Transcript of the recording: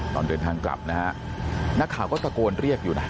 ตอนเดินทางกลับนะฮะนักข่าวก็ตะโกนเรียกอยู่นะ